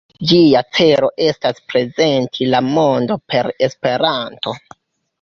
Ĝia celo estas "prezenti la mondon per Esperanto".